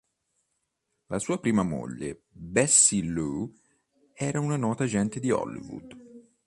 La sua prima moglie, Bessie Loo, era una nota agente di Hollywood.